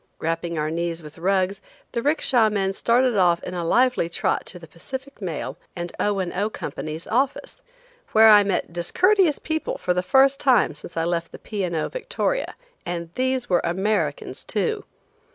Wrapping our knees with rugs the 'ricksha men started off in a lively trot to the Pacific Mail and O. and O. Companies' office, where I met discourteous people for the first time since I left the P. & O. "Victoria." And these were Americans, too.